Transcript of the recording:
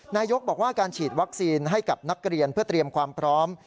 นายกบอกว่าการฉีดวัคซีนให้กับนักเรียนเพื่อเตรียมความพร้อม